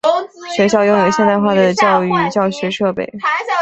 学校拥有现代化的教育教学设备。